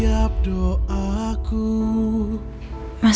sampai jumpa lagi